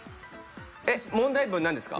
問題文何ですか？